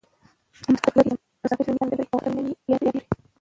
مسافر یم زړه مې تنګ ده او خپله مینه مې رایادیزې.